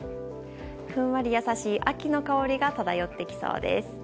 ふんわり優しい秋の香りが漂ってきそうです。